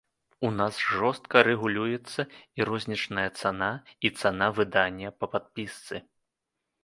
У нас жорстка рэгулюецца і рознічная цана, і цана выдання па падпісцы.